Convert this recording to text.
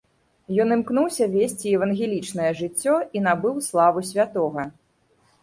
Ён імкнуўся весці евангелічнае жыццё і набыў славу святога.